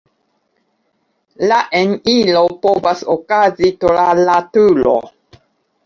La eniro povas okazi tra la turo.